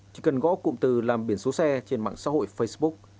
chỉ cần gõ cụm từ làm biển số xe trên mạng xã hội facebook